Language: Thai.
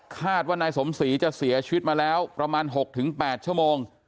คาดว่านายสมศรีจะเสียชีวิตมาแล้วประมาณ๖๘ชั่วโมง